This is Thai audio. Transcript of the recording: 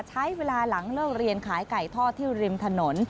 ใช้เวลาหลังเลิกเรียนขายไก่ทอดที่ริมถนน